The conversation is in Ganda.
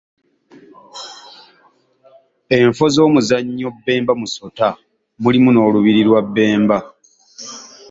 Enfo z’omuzannyo Bemba Musota mulimu n'olubiri lwa Bemba.